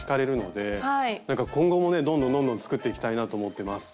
なんか今後もねどんどんどんどん作っていきたいなと思ってます。